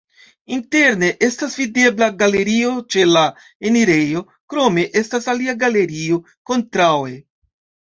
Interne estas videbla galerio ĉe la enirejo, krome estas alia galerio kontraŭe.